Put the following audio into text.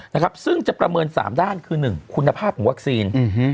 นะครับซึ่งจะประเมินสามด้านคือหนึ่งคุณภาพของวัคซีน